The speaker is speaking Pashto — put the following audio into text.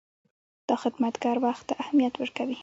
دا خدمتګر وخت ته اهمیت ورکوي.